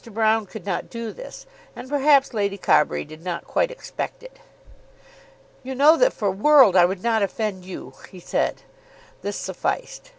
Broune could not do this, and perhaps Lady Carbury did not quite expect it. "You know that for worlds I would not offend you," he said. This sufficed.